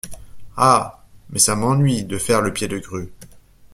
Ah ! mais, ça m'ennuie de faire le pied de grue.